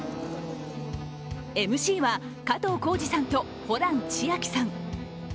ＭＣは加藤浩次さんとホラン千秋さん。